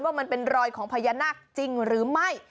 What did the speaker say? ว่ามันเป็นรอยของพญานาคจริงหรือไม่